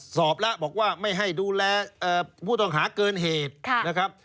สอบแล้วบอกว่าไม่ให้ดูแลผู้ต้องหาเกินเหตุนะครับ